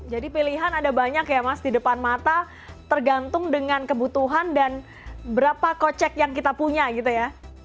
jadi pilihan ada banyak ya mas di depan mata tergantung dengan kebutuhan dan berapa kocek yang kita punya gitu ya